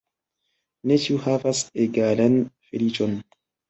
Ne ĉiu havas egalan feliĉon.